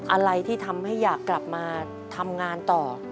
อะไรที่ทำให้อยากกลับมาทำงานต่อ